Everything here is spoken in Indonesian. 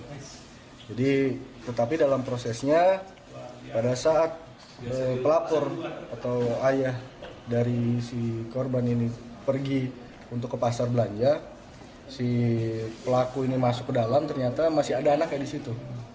ketika pelaku pergi ke pasar belanja si pelaku ini masuk ke dalam ternyata masih ada anaknya di situ